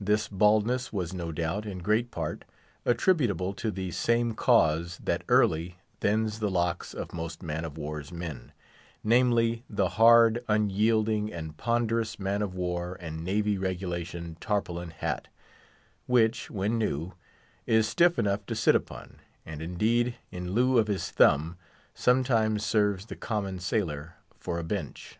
This baldness was no doubt, in great part, attributable to the same cause that early thins the locks of most man of war's men—namely, the hard, unyielding, and ponderous man of war and navy regulation tarpaulin hat, which, when new, is stiff enough to sit upon, and indeed, in lieu of his thumb, sometimes serves the common sailor for a bench.